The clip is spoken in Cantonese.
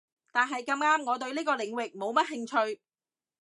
但係咁啱我對呢個領域冇乜興趣